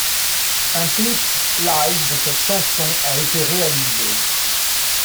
Un clip live de cette chanson a été réalisé.